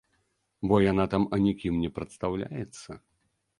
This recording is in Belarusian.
Бо яна там анікім не прадстаўляецца.